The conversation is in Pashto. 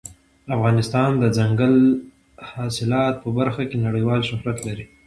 افغانستان د دځنګل حاصلات په برخه کې نړیوال شهرت لري.